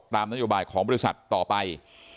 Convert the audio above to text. ตามนโยบายของบริษัทต่อไป